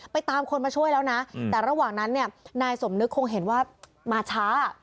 ตามคนมาช่วยแล้วนะแต่ระหว่างนั้นเนี่ยนายสมนึกคงเห็นว่ามาช้า